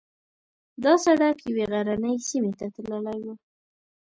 دا سړک یوې غرنۍ سیمې ته تللی و.